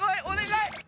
お願い！